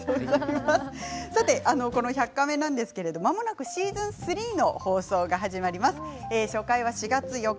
「１００カメ」はまもなくシーズン３の放送が始まります。